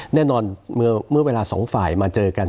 แน่นอนเมื่อเวลาสองฝ่ายมาเจอกัน